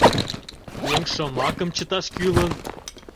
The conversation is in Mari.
Еҥ шомакым чыташ кӱлын.